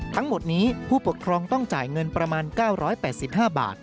ทั้งหมดนี้ผู้ปกครองต้องจ่ายเงินประมาณ๙๘๕บาท